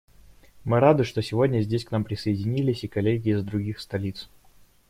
Мы рады, что сегодня здесь к нам присоединились и коллеги из других столиц.